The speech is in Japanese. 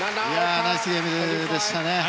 ナイスゲームでしたね。